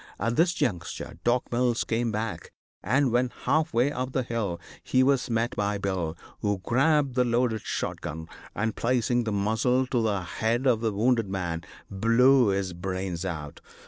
At this juncture Doc. Mills came back, and, when half way up the hill, he was met by Bill, who grabbed the loaded shot gun, and, placing the muzzle to the head of the wounded man, blew his brains out.